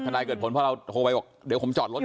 นายเกิดผลเพราะเราโทรไปบอกเดี๋ยวผมจอดรถก่อน